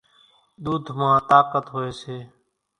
ۮوڌ مان طاقت هوئيَ سي۔